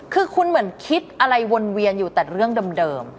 คือคุณเหมือนคิดอะไรวนเวียนอยู่แต่เรื่องเดิม